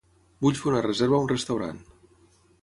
Vull fer una reserva a un restaurant.